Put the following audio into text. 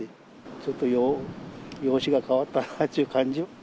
ちょっと容姿が変わったなっちゅう感じは。